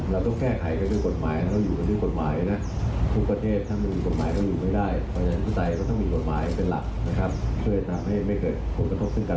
และนี่ก็เป็นเรื่องของที่ใหญ่ของผู้กับพวกเรา